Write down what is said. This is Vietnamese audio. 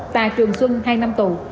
tà trường xuân hai năm tù